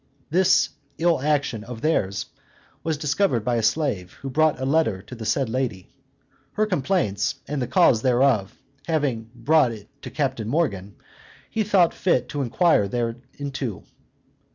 This ill action of theirs was discovered by a slave, who brought a letter to the said lady. Her complaints, and the cause thereof, being brought to Captain Morgan, he thought fit to inquire thereinto.